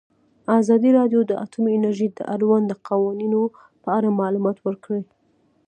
ازادي راډیو د اټومي انرژي د اړونده قوانینو په اړه معلومات ورکړي.